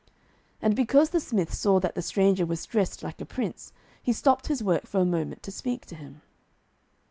And because the smith saw that the stranger was dressed like a Prince, he stopped his work for a moment to speak to him.